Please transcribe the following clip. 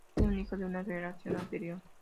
Tiene un hijo de una relación anterior.